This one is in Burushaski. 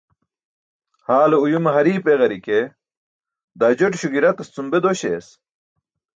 Haale uyume hari̇i̇p eġari̇ke daa joṭiśo gi̇ratas cum be dośayas